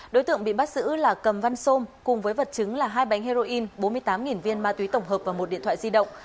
đối tượng bị bắt giữ là cầm văn sô cùng với vật chứng là hai bánh heroin bốn mươi tám viên ma túy tổng hợp và một điện thoại di động